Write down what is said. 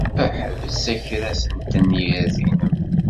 Ḥbes akras n tenyirt-nnem!